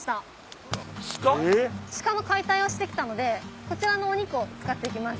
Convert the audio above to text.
鹿の解体をしてきたのでこちらのお肉を使っていきます。